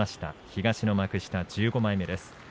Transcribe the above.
東の幕下１５枚目です。